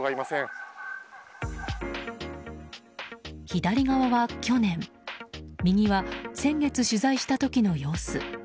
左側は去年右は先月取材した時の様子。